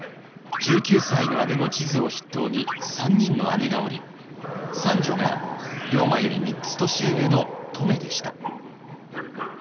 １９歳の姉の千鶴を筆頭に３人の姉がおり三女が龍馬より３つ年上の乙女でした。